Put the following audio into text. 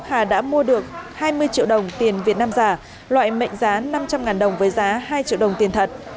hà đã mua được hai mươi triệu đồng tiền việt nam giả loại mệnh giá năm trăm linh đồng với giá hai triệu đồng tiền thật